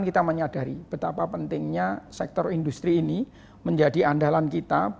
kita menyadari betapa pentingnya sektor industri ini menjadi andalan kita